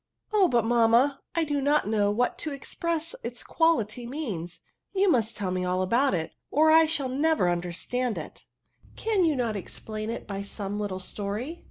'^ Oh but, mammay I do not know what to expresi its quaKty means ; you. must teU xne all about it, or I shall never understand it* Cannot you explain it by some little story